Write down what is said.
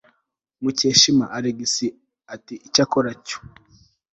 mukishimaalex ati cyakora cyo